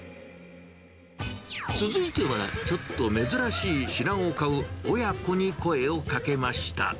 続いては、ちょっと珍しい品を買う親子に声をかけました。